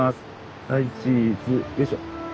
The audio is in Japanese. はいチーズ。よいしょ。